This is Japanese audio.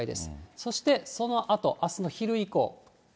そしてそのあと、あすの昼以降。